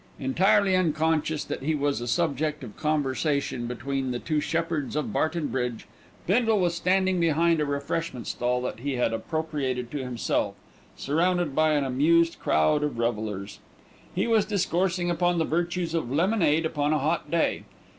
Entirely unconscious that he was a subject of conversation between the two shepherds of Barton Bridge, Bindle was standing behind a refreshment stall that he had appropriated to himself, surrounded by an amused crowd of revellers. He was discoursing upon the virtues of lemonade upon a hot day.